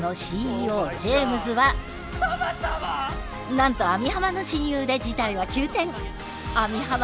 なんと網浜の親友で事態は急転！